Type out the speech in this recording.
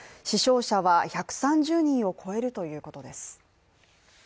死傷者は１３０人を超えるということです。